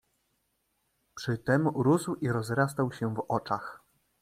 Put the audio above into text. "Przytem rósł i rozrastał się w oczach."